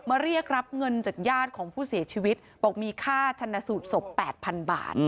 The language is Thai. เรียกรับเงินจากญาติของผู้เสียชีวิตบอกมีค่าชันสูตรศพ๘๐๐๐บาท